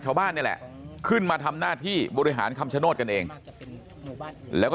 ชาวบ้านนี่แหละขึ้นมาทำหน้าที่บริหารคำชโนธกันเองแล้วก็